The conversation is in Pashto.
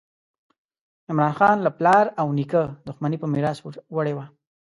عمراخان له پلار او نیکه دښمني په میراث وړې وه.